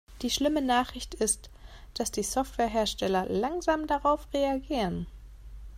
Die schlimme Nachricht ist, dass die Softwarehersteller langsam darauf reagieren.